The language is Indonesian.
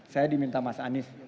saya diminta mas anies